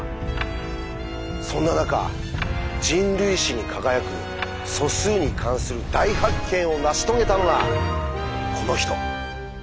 そんな中人類史に輝く素数に関する大発見を成し遂げたのがこの人！